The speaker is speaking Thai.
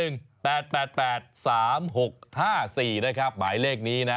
๐๘๑๘๘๘๓๖๕๔นะครับหมายเลขนี้นะ